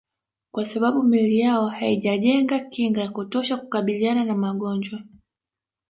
Kwa sababu miili yao haijajenga kinga ya kutosha kukabiliana na magonjwa